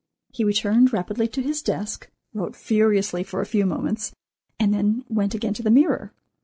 He returned rapidly to his desk, wrote furiously for a few moments, and then went again to the mirror.